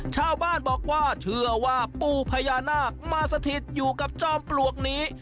ชาวบ้านบอกว่าเชื่อว่าปู่พญานาคมาสถิตอยู่กับจอมปลวกนี้